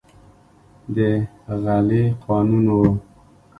د غلې قانون و.